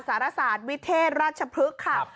สหรัฐศาลวิเทศรัชพฤกษ์ครับ